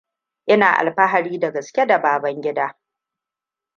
Ina alfahari da gaske da Babangida.